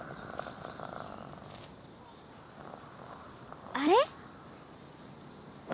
あれ？